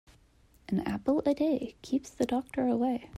An apple a day keeps the doctor away.